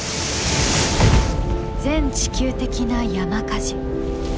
全地球的な山火事。